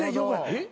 えっ！？